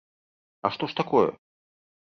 А што ж такое?